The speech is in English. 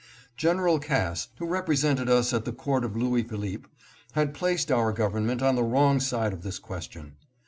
General Cass, who represented us at the court of Louis Philippe, had placed our Gov ernment on the wrong side of this question.